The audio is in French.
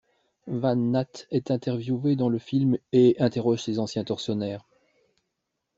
Vann Nath est interviewé dans le film et interroge ses anciens tortionnaires.